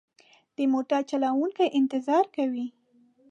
د موټر چلوونکی انتظار کوي.